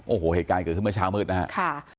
โอ้โหเหตุการณ์เกิดขึ้นเมื่อเช้ามืดนะครับ